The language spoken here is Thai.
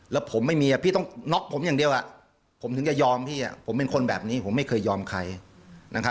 แล้วผมไม่มีพี่ต้องน็อกผมอย่างเดียวผมถึงจะยอมพี่ผมเป็นคนแบบนี้ผมไม่เคยยอมใครนะครับ